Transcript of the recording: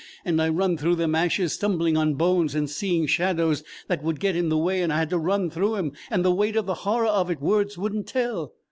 And I run through them ashes, stumbling on bones and seeing shadows that would get in the way and I had to run through 'em, and the weight of the horror of it words would n't tell.